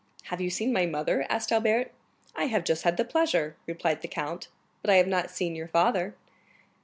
"Have you seen my mother?" asked Albert. "I have just had the pleasure," replied the count; "but I have not seen your father."